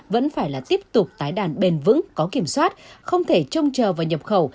vẫn phải là tiếp tục tái đàn bền vững có kiểm soát không thể trông chờ vào nhập khẩu